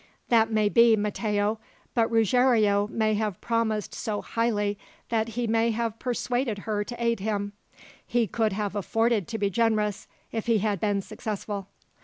"That may be, Matteo; but Ruggiero may have promised so highly that he may have persuaded her to aid him. He could have afforded to be generous, if he had been successful."